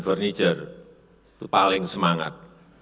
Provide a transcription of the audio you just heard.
furniture itu paling semangat